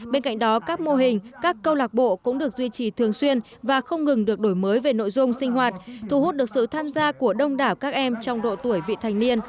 bên cạnh đó các mô hình các câu lạc bộ cũng được duy trì thường xuyên và không ngừng được đổi mới về nội dung sinh hoạt thu hút được sự tham gia của đông đảo các em trong độ tuổi vị thành niên